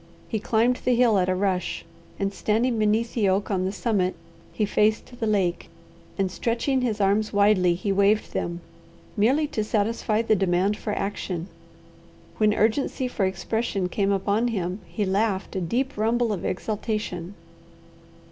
He climbed the hill at a rush, and standing beneath the oak on the summit, he faced the lake, and stretching his arms widely, he waved them, merely to satisfy the demand for action. When urgency for expression came upon him, he laughed a deep rumble of exultation.